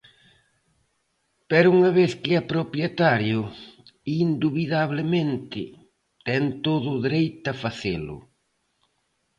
Pero unha vez que é propietario, indubidablemente ten todo o dereito a facelo.